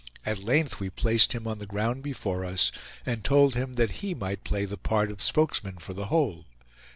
At length we placed him on the ground before us, and told him that he might play the part of spokesman for the whole.